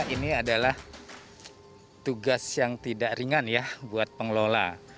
ini adalah tugas yang tidak ringan ya buat pengelola